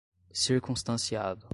circunstanciado